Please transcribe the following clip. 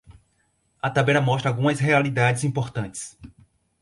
A tabela mostra algumas realidades importantes.